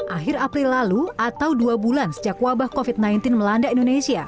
akhir april lalu atau dua bulan sejak wabah covid sembilan belas melanda indonesia